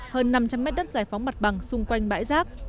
hơn năm trăm linh mét đất giải phóng mặt bằng xung quanh bãi rác